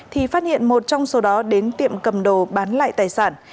thì phát hiện một trong số đó đến tiệm cầm đồ bán lại tài sản